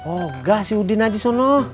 oh nggak si udin aja sonno